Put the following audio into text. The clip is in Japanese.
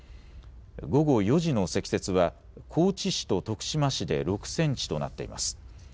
午後４時の積雪は、高知市と徳島市で６センチとなっています。